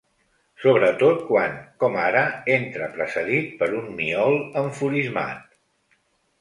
Sobretot quan, com ara, entra precedit per un miol enfurismat.